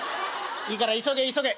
いいから急げ急げ」。